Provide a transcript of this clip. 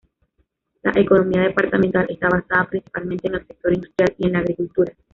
La economía departamental está basada principalmente en el sector industrial y en la agricultura.